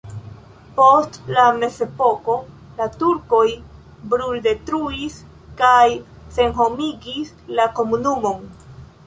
Post la mezepoko la turkoj bruldetruis kaj senhomigis la komunumon.